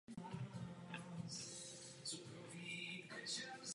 Listy jsou také využívány jako krmivo.